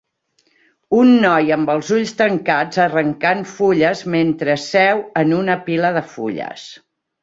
Un noi amb els ulls tancats arrencant fulles mentre seu en una pila de fulles.